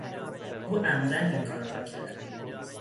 او عمدا این کار را کرد.